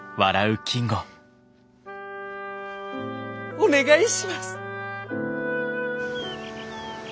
お願いします。